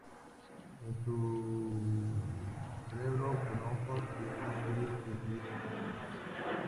Es un cerebro con ojos y un nervio que utiliza como brazo.